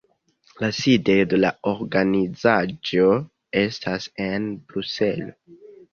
La sidejo de la organizaĵo estas en Bruselo.